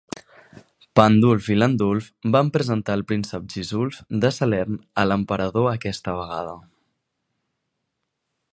Pandulf i Landulf van presentar el príncep Gisulf de Salern a l'emperador aquesta vegada.